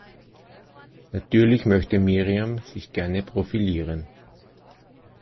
Natürlich möchte Miriam sich gerne profilieren.